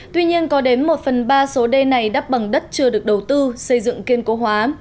tuy nhiên có đến một phần ba số đê này đắp bằng đất chưa được đầu tư xây dựng kiên cố hóa